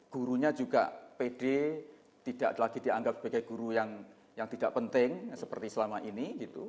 gurunya juga pede tidak lagi dianggap sebagai guru yang tidak penting seperti selama ini